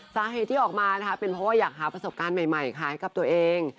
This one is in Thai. สาเหตุที่ออกมานะคะเป็นเพราะว่าอยากหาประสบการณ์ใหม่ขายกับตัวเอง